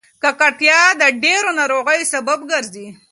ککړتیا د ډېرو ناروغیو سبب ګرځي.